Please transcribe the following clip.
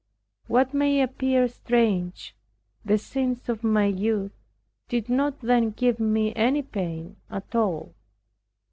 What may appear strange, the sins of my youth did not then give me any pain at all.